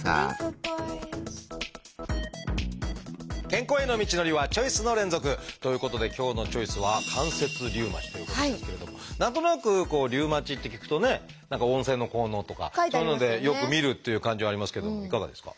健康への道のりはチョイスの連続！ということで今日の「チョイス」は何となくこう「リウマチ」って聞くとね何か温泉の効能とかそういうのでよく見るっていう感じはありますけどもいかがですか？